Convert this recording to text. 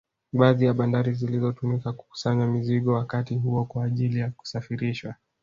Baadhi ya bandari zilizotumika kukusanya mizigo wakati huo kwa ajili ya kusafirishwa